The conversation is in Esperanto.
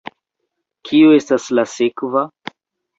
Kio estas la sekva?